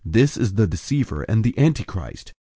This is the deceiver and the Antichrist.